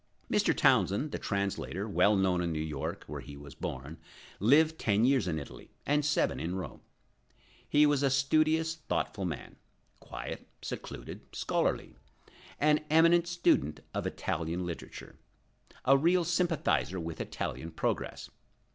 Mr. Townsend, the translator, well known in New York, where he was born, lived ten years in Italy, and seven in Rome. He was a studious, thoughtful man; quiet, secluded, scholarly; an eminent student of Italian literature; a real sympathizer with Italian progress.